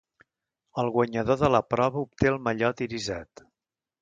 El guanyador de la prova obté el mallot irisat.